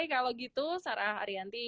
kalau gitu sarah ariyanti